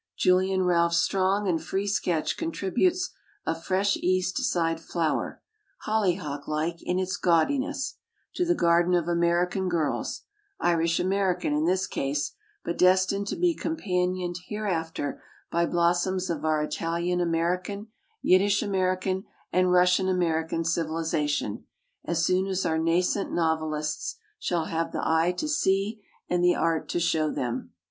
Julian Ralph's strong and free sketch contributes a fresh East Side flower, hollyhock like in its gaudiness, to the garden of American girls, Irish American in this case, but destined to be companioned hereafter by blossoms of our Italian American, Yiddish American, and Russian American civilization, as soon as our nascent novelists shall have the eye to see and the art to show them.